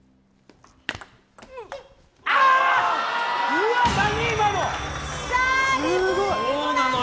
うわっ、何、今の！